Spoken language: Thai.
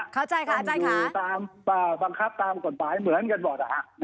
เข้าใจค่ะอาจารย์อยู่ตามบังคับตามกฎหมายเหมือนกันหมด